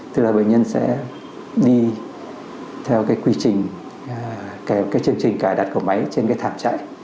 tức là bệnh nhân sẽ đi theo cái quy trình cái chương trình cài đặt của máy trên cái thảm trại